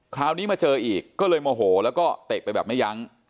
คราวนี้มาเจออีกก็เลยโมโหแล้วก็เตะไปแบบไม่ยั้ง